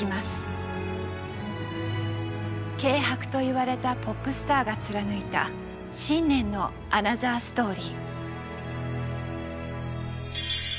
軽薄と言われたポップスターが貫いた信念のアナザーストーリー。